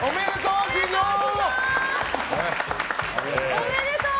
おめでとう！